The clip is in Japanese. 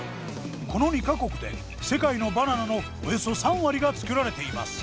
この２か国で世界のバナナのおよそ３割が作られています。